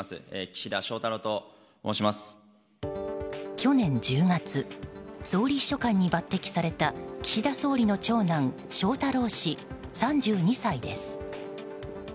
去年１０月総理秘書官に抜擢された岸田総理の長男翔太郎氏、３２歳です。